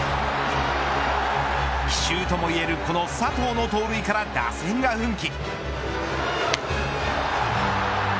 奇襲ともいえるこの佐藤の盗塁から打線が奮起。